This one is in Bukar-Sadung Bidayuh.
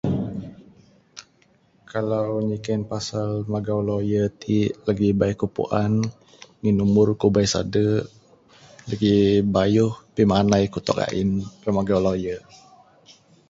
Kalau nyiken pasal magau lawyer ti lagi bayuh ku puan ngin umur ku bayuh sade lagi bayuh pimanai ku tok ain ira magau lawyer.